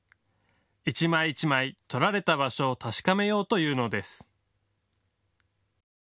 一枚一枚、撮られた場所を確かめようというのです。